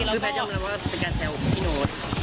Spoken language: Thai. คือแพทย์ยังเรียกว่าเป็นการแซวที่โน้ต